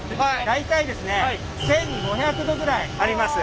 大体ですね１，５００℃ぐらいあります。